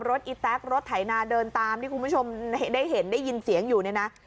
อีแต๊กรถไถนาเดินตามที่คุณผู้ชมได้เห็นได้ยินเสียงอยู่เนี่ยนะ